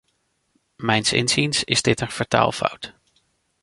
Mijns inziens is dit een vertaalfout.